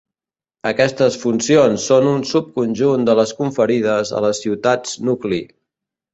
Aquestes funcions són un subconjunt de les conferides a les ciutats nucli.